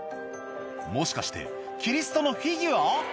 もしかしてキリストのフィギュア？